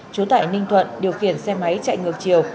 trú tại ninh thuận điều khiển xe máy chạy ngược chiều